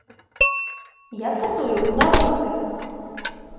Я працую ў навуцы!